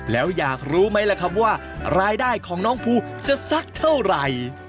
แล้วอยากรู้ไหมล่ะครับว่ารายได้ของน้องภูจะสักเท่าไหร่